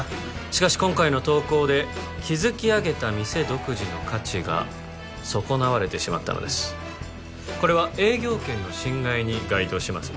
しかし今回の投稿で築き上げた店独自の価値が損なわれてしまったのですこれは営業権の侵害に該当します